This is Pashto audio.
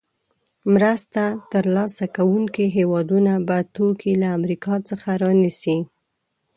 مرسته تر لاسه کوونکې هېوادونه به توکي له امریکا څخه رانیسي.